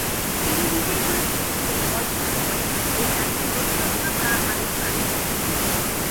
তিনি নিজেই বলেছিলেন যে অল্প সময়ে এ জাতীয় গ্রন্থ রচনা করা আল্লাহর আশীর্বাদ।